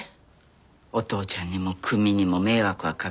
お父ちゃんにも組にも迷惑はかけられへん。